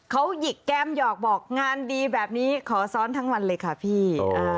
เขาหยิกแก้มหยอกบอกงานดีแบบนี้ขอซ้อนทั้งวันเลยค่ะพี่